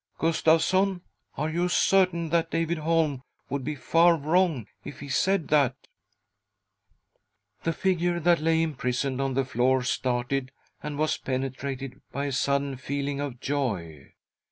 " Gustavsson, are you certain that David Holm would be far wrong if he said that ?" The figure that lay imprisoned on the floor started, and was penetrated by a sudden feeling of joy.